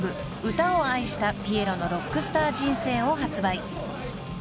唄を愛したピエロのロックスター人生』を発売］